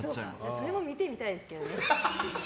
それも見てみたいですけどね。